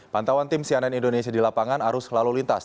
pantauan tim cnn indonesia di lapangan arus lalu lintas